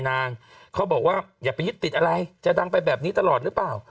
เขาบอกว่าอย่าไปยึดติดอะไรจะดังไปแบบนี้ตลอดหรือเปล่า